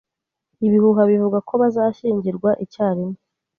Ibihuha bivuga ko bazashyingirwa icyarimwe.